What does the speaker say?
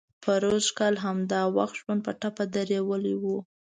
پروسږ کال همدا وخت ژوند په ټپه درولی و.